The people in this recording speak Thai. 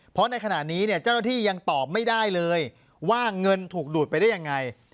เพราะในขณะนี้เนี่ยเจ้าหน้าที่ยังตอบไม่ได้เลยว่าเงินถูกดูดไปได้ยังไง